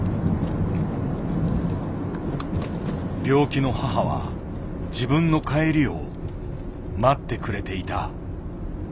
病気の母は自分の帰りを待ってくれていた。